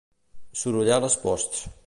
Sorollar les posts.